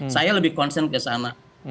saya lebih concern ke sana